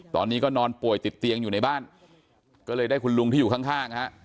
ตอนนี้ก็นอนป่วยติดเตียงอยู่ในบ้านก็เลยได้คุณลุงที่อยู่ข้างฮะ